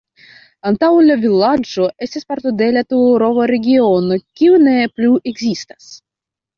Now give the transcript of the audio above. Antaŭe la vilaĝo estis parto de la Turovo-regiono, kiu ne plu ekzistas.